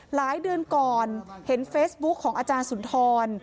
หลายเดือนก่อนเห็นเฟซบุ๊คของอาจารย์สุนทร